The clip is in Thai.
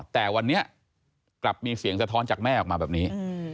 แต่วันนี้กลับมีเสียงสะท้อนจากแม่ออกมาแบบนี้